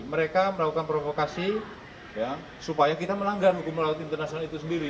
mereka melakukan provokasi supaya kita melanggar hukum melalui laut internasional itu sendiri